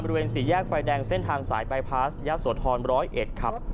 บริเวณสี่แยกไฟแดงเส้นทางสายปลายพลาสยศวรธรรมร้อยเอ็ดครับ